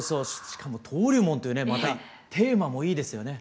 しかも「登竜門」というねまたテーマもいいですよね。